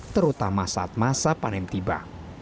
terutama saat masa panen tiba